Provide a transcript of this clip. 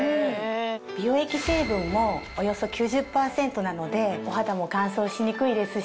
美容液成分もおよそ９０％なのでお肌も乾燥しにくいですし